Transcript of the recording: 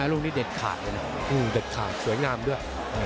รูปนี้เด็ดขาดอยู่นะฮือเด็ดขาดสวยงามด้วย